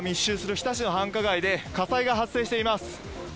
日田市の繁華街で火災が発生しています。